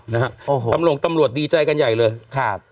นะฮะโอ้โหตำรวจตำรวจดีใจกันใหญ่เลยครับ